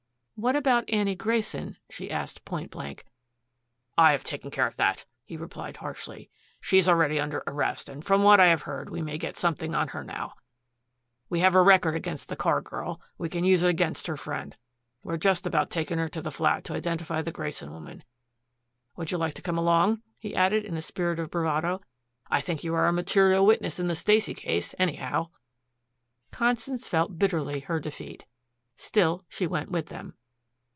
"What about Annie Grayson?" she asked pointblank. "I have taken care of that," he replied harshly. "She is already under arrest, and from what I have heard we may get something on her now. We have a record against the Carr girl. We can use it against her friend. We're just about taking her to the flat to identify the Grayson woman. Would you like to come along?" he added in a spirit of bravado. "I think you are a material witness in the Stacy case, anyhow." Constance felt bitterly her defeat. Still she went with them.